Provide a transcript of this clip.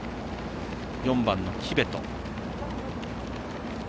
４番、キベト。